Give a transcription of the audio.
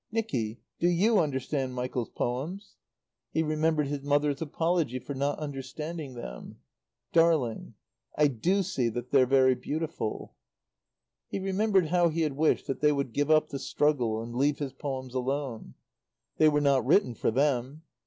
"Nicky, do you understand Michael's poems?" He remembered his mother's apology for not understanding them: "Darling, I do see that they're very beautiful." He remembered how he had wished that they would give up the struggle and leave his poems alone. They were not written for them.